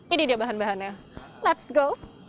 ini dia bahan bahannya let's go